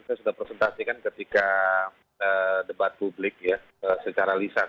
saya sudah presentasikan ketika debat publik secara lisan